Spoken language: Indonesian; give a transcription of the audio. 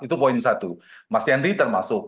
itu poin satu mas yandri termasuk